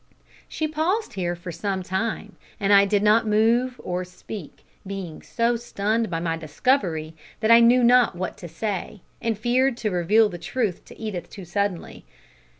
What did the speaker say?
She paused here for some time, and I did not move or speak, being so stunned by my discovery that I knew not what to say, and feared to reveal the truth to Edith too suddenly.